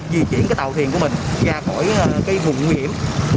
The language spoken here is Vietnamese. di chuyển tàu thiền của mình ra khỏi vùng nguy hiểm